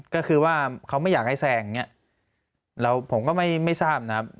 ก็คือว่าเขาไม่อยากให้แซงอย่างนี้แล้วผมก็ไม่ทราบนะครับ